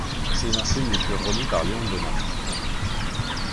Ses insignes lui furent remis par Léon Bonnat.